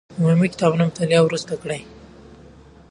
د عمومي کتابونو مطالعه وروسته وکړئ.